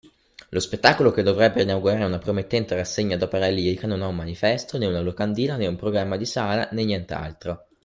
Lo spettacolo che dovrebbe inaugurare una promettente rassegna di opera lirica non ha un manifesto, né una locandina, né un programma di sala, né nient’altro